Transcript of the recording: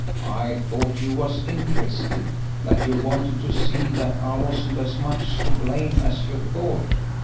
"I thought you was interested... that you wanted to see that I wasn't as much to blame as you thought."